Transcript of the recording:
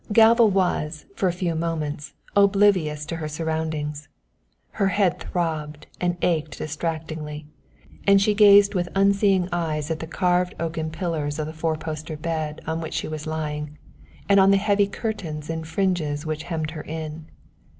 Galva was, for a few moments, oblivious to her surroundings. Her head throbbed and ached distractingly, and she gazed with unseeing eyes at the carved oaken pillars of the four post bed on which she was lying, and on the heavy curtains and fringes which hemmed her in.